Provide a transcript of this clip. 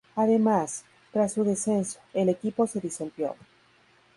Además, tras su descenso, el equipo se disolvió.